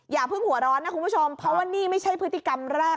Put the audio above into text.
อย่าเพิ่งหัวร้อนนะคุณผู้ชมเพราะว่านี่ไม่ใช่พฤติกรรมแรก